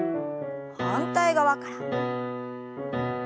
反対側から。